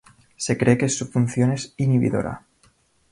Se cree que su función es inhibidora.